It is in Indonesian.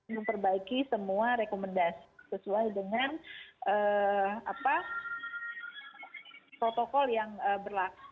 memperbaiki semua rekomendasi sesuai dengan protokol yang berlaku